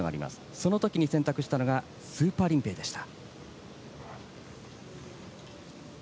その時、選択したのがスーパーリンペイでした。